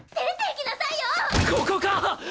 ここか！